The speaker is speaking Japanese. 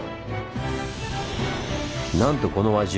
なんとこの輪中